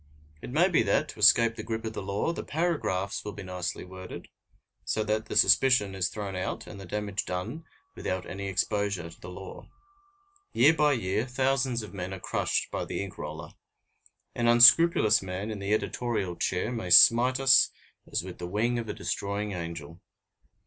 It may be that, to escape the grip of the law, the paragraphs will be nicely worded, so that the suspicion is thrown out and the damage done without any exposure to the law. Year by year, thousands of men are crushed by the ink roller. An unscrupulous man in the editorial chair may smite as with the wing of a destroying angel.